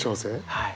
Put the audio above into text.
はい。